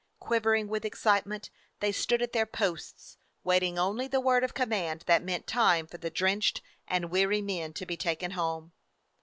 Quivering with excitement, they stood at their posts, waiting only the word of command that meant time for the drenched and weary men to be taken home.